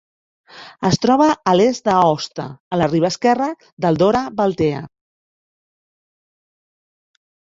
Es troba a l'est d'Aosta, a la riba esquerra del Dora Baltea.